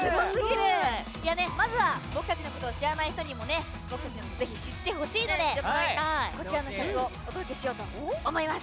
まずは僕たちのことを知らない人にも僕たちのことをぜひ知ってほしいのでこちらの企画をお届けしようと思います。